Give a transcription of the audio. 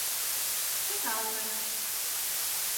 Чыталте.